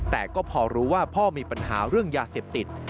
แต่ก็พอรู้ว่าพ่อมีปัญหาเรื่องยาเสพติด